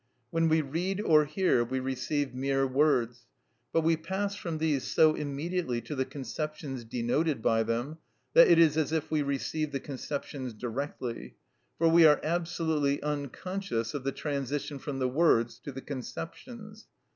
When we read or hear we receive mere words, but we pass from these so immediately to the conceptions denoted by them, that it is as if we received the conceptions directly; for we are absolutely unconscious of the transition from the words to the conceptions.